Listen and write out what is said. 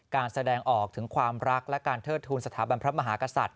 การแสดงออกถึงความรักและการเทิดทูลสถาบันพระมหากษัตริย